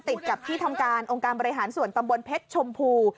ติดกับที่ทำการองค์การบริหารส่วนตำบลเพชรชมพู